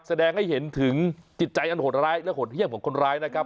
แสดงให้เห็นถึงจิตใจอันโหดร้ายและหดเยี่ยมของคนร้ายนะครับ